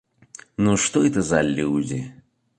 Ну что это за люди?